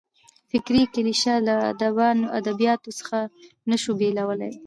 فکري کلیشه له ادبیاتو څخه نه سو بېلولای.